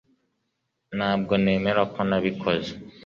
ntabwo nemera ko nabikoze